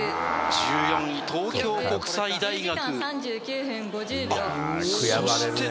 １４位、東京国際大学。